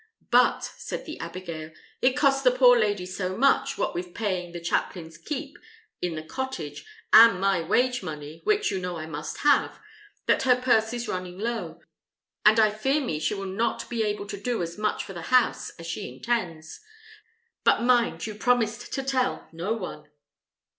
"But," said the abigail, "it costs the poor lady so much, what with paying the chaplain's keep at the cottage, and my wage money, which you know I must have, that her purse is running low, and I fear me she will not be able to do as much for the house as she intends. But mind, you promised to tell no one."